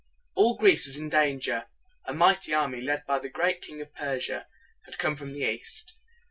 All Greece was in danger. A mighty army, led by the great King of Persia, had come from the east.